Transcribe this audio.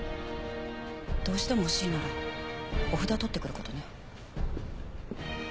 どうしても欲しいならお札を取ってくる事ね。